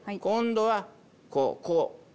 今度はこうこう。